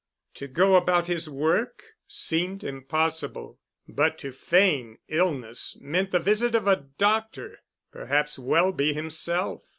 To go about his work seemed impossible, but to feign illness meant the visit of a doctor, perhaps Welby himself.